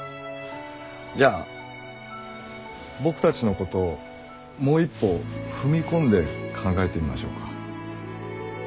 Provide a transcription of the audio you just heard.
じゃあ僕たちのことをもう一歩踏み込んで考えてみましょうか。